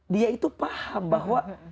dia itu paham bahwa